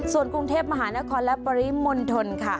ส่วนกรุงเทพมหานครและปริมณฑลค่ะ